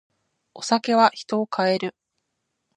お酒は人を変える。